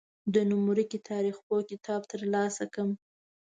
د نوم ورکي تاریخپوه کتاب تر لاسه کړم.